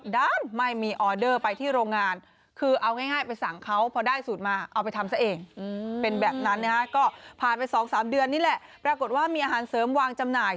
ดันไม่มีออเดอร์ไปที่โรงงาน